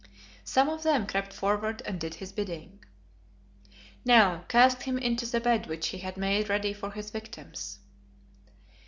Some of them crept forward and did his bidding. "Now, cast him into the bed which he had made ready for his victims."